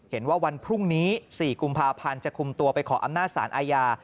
วันพรุ่งนี้๔กุมภาพันธ์จะคุมตัวไปขออำนาจสารอาญา